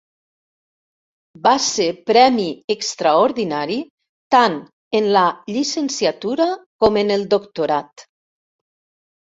Va ser premi extraordinari tant en la llicenciatura com en el doctorat.